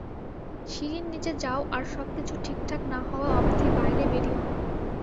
সিঁড়ির নিচে যাও আর সবকিছু ঠিকঠাক না হওয়া অব্ধি বাইরে বেরিয়ো না।